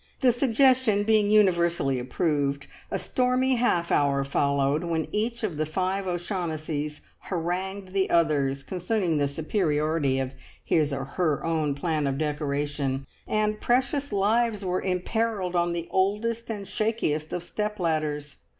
The suggestion being universally approved, a stormy half hour followed, when each of the five O'Shaughnessys harangued the others concerning the superiority of his or her own plan of decoration, and precious lives were imperilled on the oldest and shakiest of step ladders.